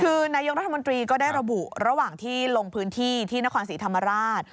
คือนายกรัฐมนตรีก็ได้ระบุระหว่างที่ลงพื้นที่ที่นครศรีธรรมราช